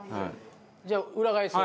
じゃあ裏返す？